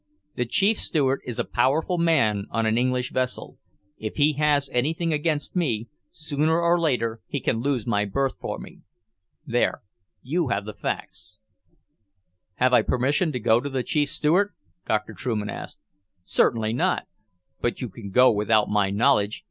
The Chief Steward is a powerful man on an English vessel. If he has anything against me, sooner or later he can lose my berth for me. There you have the facts." "Have I your permission to go to the Chief Steward?" Dr. Trueman asked. "Certainly not. But you can go without my knowledge.